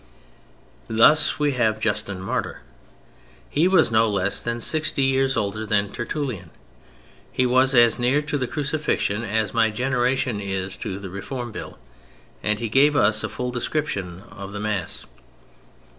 Thus, we have Justin Martyr. He was no less than sixty years older than Tertullian. He was as near to the Crucifixion as my generation is to the Reform Bill—and he gave us a full description of the Mass.